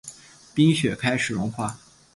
冰雪开始融化